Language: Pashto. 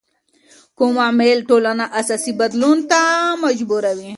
کوم عامل ټولنه اساسي بدلون ته مجبوروي؟